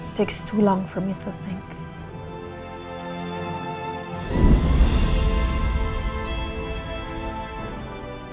itu terlalu lama untuk saya berpikir